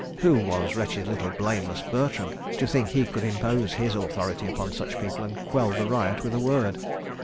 Who was wretched little "Blameless Bertram," to think he could impose his authority upon such people and quell the riot with a word?